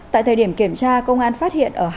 tại thời điểm kiểm tra công an phát hiện ở hai